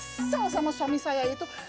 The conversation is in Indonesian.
saya benar benar kesal sama suami saya itu